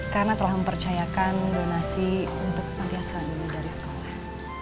karena telah mempercayakan donasi untuk pantiasa ibu dari sekolah